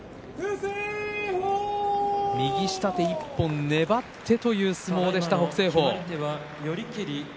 右下手１本ねばってという相撲でした、北青鵬。